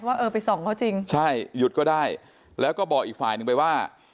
เออไปส่องเขาจริงใช่หยุดก็ได้แล้วก็บอกอีกฝ่ายหนึ่งไปว่า